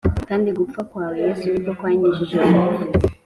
Kandi gupfa kwawe yesu niko kwankijije urupfu